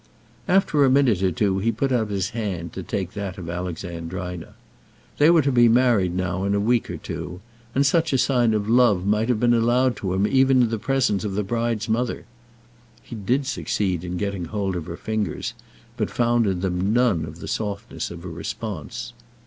After a minute or two he put out his hand to take that of Alexandrina. They were to be married now in a week or two, and such a sign of love might have been allowed to him, even in the presence of the bride's mother. He did succeed in getting hold of her fingers, but found in them none of the softness of a response.